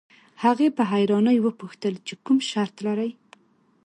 هغې په حيرانۍ وپوښتل چې کوم شرط لرئ.